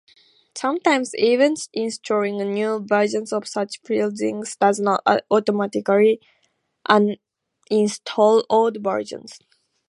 Sometimes even installing new versions of such plugins does not automatically uninstall old versions.